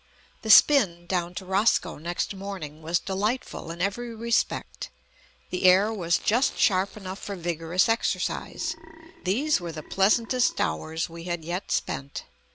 The spin down to Roscoe next morning was delightful in every respect. The air was just sharp enough for vigorous exercise. These were the pleasantest hours we had yet spent.